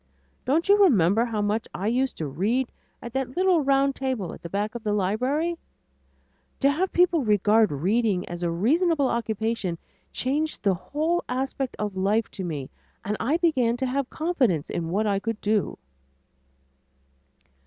Don't you remember how much I used to read at that little round table at the back of the library? To have people regard reading as a reasonable occupation changed the whole aspect of life to me and I began to have confidence in what I could do."